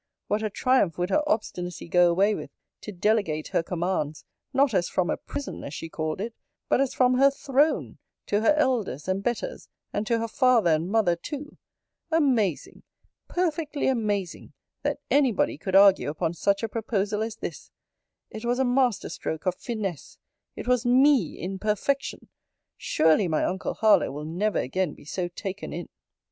What a triumph would her obstinacy go away with, to delegate her commands, not as from a prison, as she called it, but as from her throne, to her elders and betters; and to her father and mother too! Amazing, perfectly amazing, that any body could argue upon such a proposal as this! It was a master stroke of finesse It was ME in perfection! Surely my uncle Harlowe will never again be so taken in!'